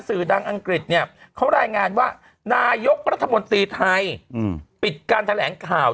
สื่อดังอังกฤษเนี่ยเขารายงานว่านายกรัฐมนตรีไทยปิดการแถลงข่าว